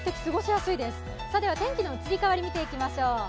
さて、では天気の移り変わり見ていきましょう。